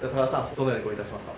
どのようにご用意致しますか？